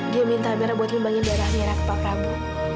dia minta amirah buat lembangin darah amirah ke pak prabu